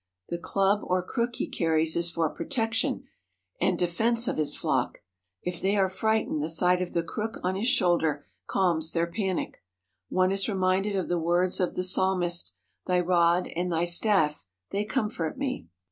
The club or crook he carries is for protec tion and defence of his flock. If they are frightened the sight of the crook on his shoulder calms their panic. One is reminded of the words of the Psalmist: "Thy rod and thy staff they comfort me."